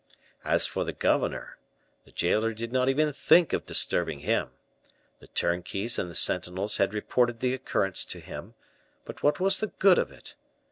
As for the governor, the jailer did not even think of disturbing him; the turnkeys and the sentinels had reported the occurrence to him, but what was the good of it?